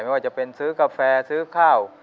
ว่าจะเป็นซื้อกาแฟซื้อข้าว